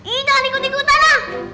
ini jangan ikut ikut aja